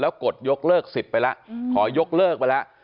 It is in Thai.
กดยกเลิกสิทธิ์ไปแล้วขอยกเลิกไปแล้ว